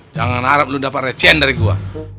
jangan harap lu dapet recen dari gua